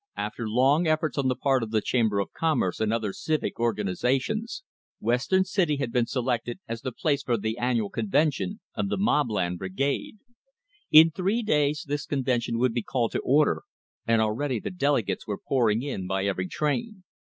After long efforts on the part of the Chamber of Commerce and other civic organizations, Western City had been selected as the place for the annual convention of the Mobland Brigade. In three days this convention would be called to order, and already the delegates were pouring in by every train.